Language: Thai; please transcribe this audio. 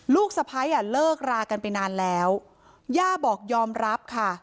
สะพ้ายอ่ะเลิกรากันไปนานแล้วย่าบอกยอมรับค่ะ